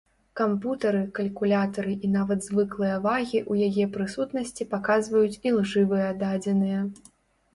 Кампутары, калькулятары і нават звыклыя вагі ў яе прысутнасці паказваюць ілжывыя дадзеныя.